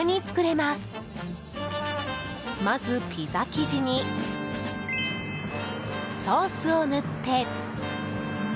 まずピザ生地にソースを塗って。